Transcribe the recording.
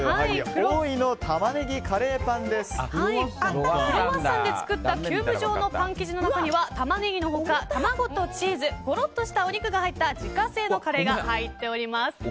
クロワッサンで作ったキューブ状のパン生地の中にはタマネギの他、卵とチーズゴロッとしたお肉が入った自家製のカレーが入っています。